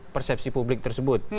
persepsi publik tersebut